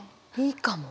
いいかも。